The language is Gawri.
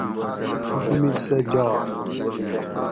حکومِت سہ جاۤر